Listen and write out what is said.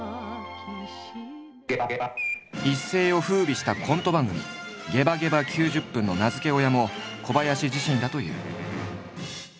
一世を風靡したコント番組「ゲバゲバ９０分！」の名付け親も小林自身だという。